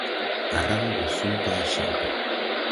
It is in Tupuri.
Á raw woo su baa cee.